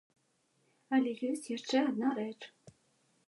Але ёсць яшчэ адна рэч.